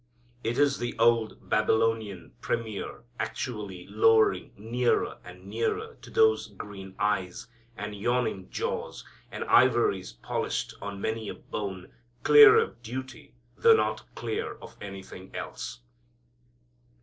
It is the old Babylonian premier actually lowering nearer and nearer to those green eyes, and yawning jaws, and ivories polished on many a bone, clear of duty though not clear of anything else.